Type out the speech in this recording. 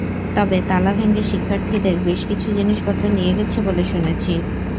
তবে তালা ভেঙে শিক্ষার্থীদের বেশ কিছু জিনিসপত্র নিয়ে গেছে বলে শুনেছি।